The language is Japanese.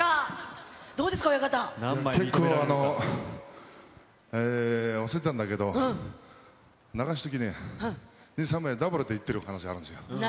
結構押せたんだけど、流すときに、２、３枚、ダブルでいってる可能性あるんですよ。